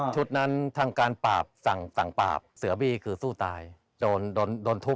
ชุดนั้นทางการปราบสั่งปราบเสือบี้คือสู้ตายโดนโดนทุบ